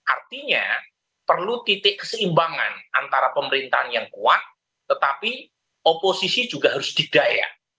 artinya perlu titik keseimbangan antara pemerintahan yang kuat tetapi oposisi juga harus didaya